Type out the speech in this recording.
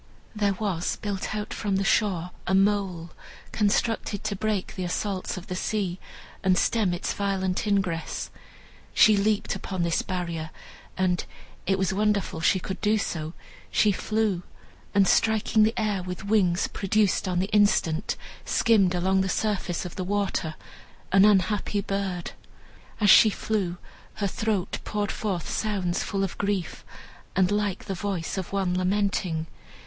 There was built out from the shore a mole, constructed to break the assaults of the sea, and stem its violent ingress. She leaped upon this barrier and (it was wonderful she could do so) she flew, and striking the air with wings produced on the instant, skimmed along the surface of the water, an unhappy bird. As she flew, her throat poured forth sounds full of grief, and like the voice of one lamenting.